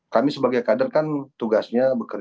kami sebagai kader kan tugasnya bekerja